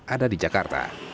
ada di jakarta